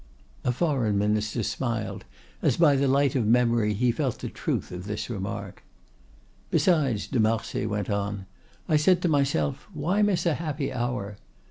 A foreign minister smiled as, by the light of memory, he felt the truth of this remark. "Besides," de Marsay went on, "I said to myself, why miss a happy hour?